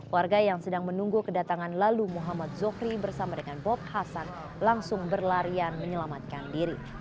warga yang sedang menunggu kedatangan lalu muhammad zokri bersama dengan bob hasan langsung berlarian menyelamatkan diri